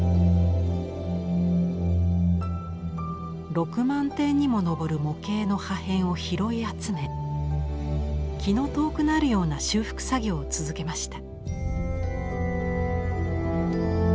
６万点にも上る模型の破片を拾い集め気の遠くなるような修復作業を続けました。